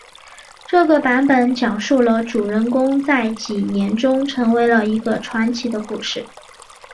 这个版本讲述了主人公在几年中成为了一个传奇的故事。